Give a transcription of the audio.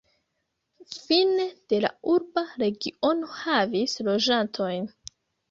Fine de la urba regiono havis loĝantojn.